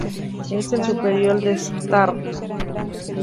Es el superior de Stark.